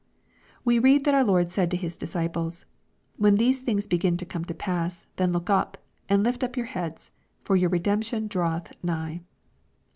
We read that our Lord said to His disciples, '* When these things begin to come to pass, then look up, and lift up your heads ; for your redemption draweth nigh."